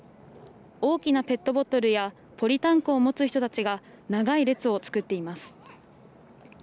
大きなペットボトルやポリタンクを持つ人たちが長い列を作っています。